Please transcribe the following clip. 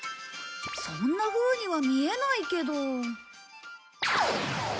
そんなふうには見えないけど。